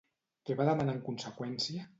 Què va demanar en conseqüència?